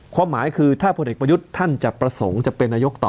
ความหมายคือถ้าพลเอกประยุทธ์ท่านจะประสงค์จะเป็นนายกต่อ